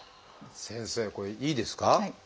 先生これいいですか？